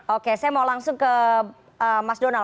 oke saya mau langsung ke mas donald